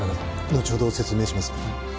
のちほど説明しますね。